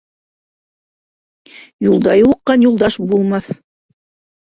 Юлда юлыҡҡан юлдаш булмаҫ.